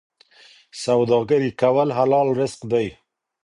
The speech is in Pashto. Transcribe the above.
سوداګري کول حلال رزق دی.